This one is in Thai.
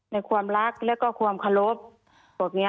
ในความรักและความขอบพวกนี้